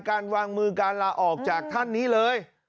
การวางมือการลาออกจากท่านนี้เลย